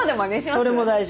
それも大事。